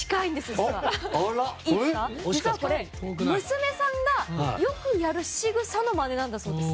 実はこれ、娘さんがよくやるしぐさのまねなんだそうです。